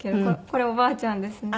これおばあちゃんですね。